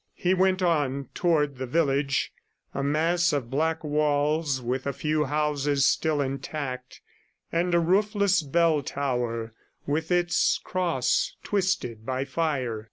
He went on toward the village a mass of black walls with a few houses still intact, and a roofless bell tower with its cross twisted by fire.